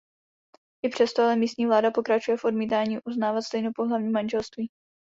I přesto ale místní vláda pokračuje v odmítání uznávat stejnopohlavní manželství.